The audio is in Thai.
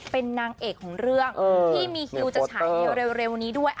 เป็นนางเอกของเรื่องที่มีคิวจะฉายในเร็วนี้ด้วย